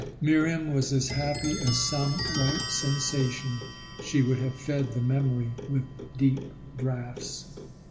Miriam was as happy as some right sensation she would have fed the memory with deep draughts.